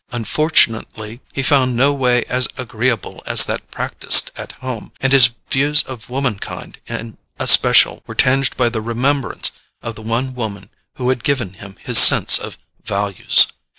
Unfortunately, he found no way as agreeable as that practised at home; and his views of womankind in especial were tinged by the remembrance of the one woman who had given him his sense of "values."